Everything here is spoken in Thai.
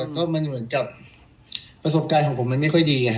แต่ประสบการณ์ผมมันไม่ค่อยดี